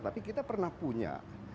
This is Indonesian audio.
tapi kita pernah punya